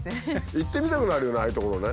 行ってみたくなるよねああいう所ね。